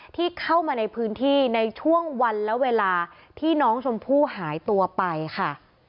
ที่เข้ามาในพื้นที่ในช่วงวันและเวลาที่น้องชมพู่หายตัวไปค่ะ